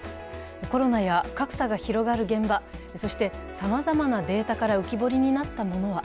コロナや格差が広がる現場、そしてさまざまなデータから浮き彫りになったものは。